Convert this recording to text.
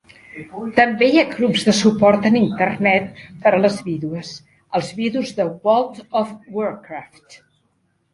També hi ha grups de suport en Internet per a les vídues / els vidus de "World of Warcraft".